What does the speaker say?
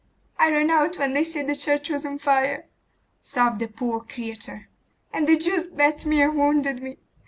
'I ran out when they said the church was on fire,' sobbed the poor creature, 'and the Jews beat and wounded me.